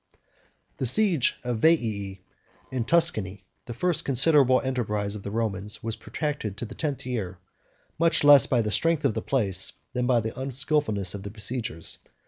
The siege of Veii in Tuscany, the first considerable enterprise of the Romans, was protracted to the tenth year, much less by the strength of the place than by the unskilfulness of the besiegers.